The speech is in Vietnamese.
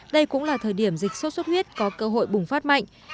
đây cũng là thời điểm dịch sốt xuất huyết có cơ hội bùng phát mạnh